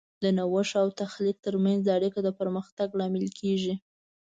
د نوښت او تخلیق ترمنځ اړیکه د پرمختګ لامل کیږي.